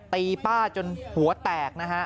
ตีป้าจนหัวแตกนะฮะ